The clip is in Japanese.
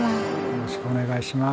よろしくお願いします。